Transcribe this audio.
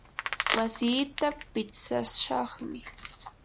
wasiita pitsashaqmi.